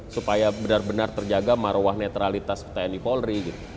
supaya benar benar terjaga maruah netralitas pertanyaan di polri